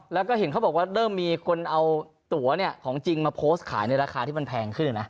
แล้วก็เห็นเขาบอกว่าเริ่มมีคนเอาตัวของจริงมาโพสต์ขายในราคาที่มันแพงขึ้นเลยนะ